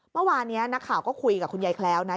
เมื่อวานนี้นักข่าวก็คุยกับคุณยายแคล้วนะ